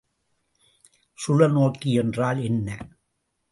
சுழல்நோக்கி என்றால் என்ன?